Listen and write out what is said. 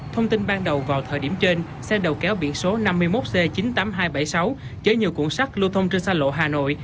thông tin ban đầu vào thời điểm trên xe đầu kéo biển số năm mươi một c chín mươi tám nghìn hai trăm bảy mươi sáu chở nhiều cuộn sắt lưu thông trên xa lộ hà nội